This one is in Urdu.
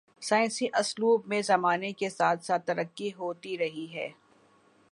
سائنسی اسلوب میں زمانے کے ساتھ ساتھ ترقی ہوتی رہی ہے۔